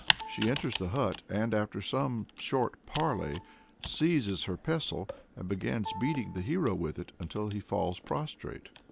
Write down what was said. She enters the hut and, after some short parley, seizes her pestle, and begins beating the hero with it until he falls prostrate.